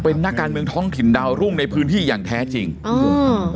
เป็นนักการเมืองท้องถิ่นดาวรุ่งในพื้นที่อย่างแท้จริงอ้าว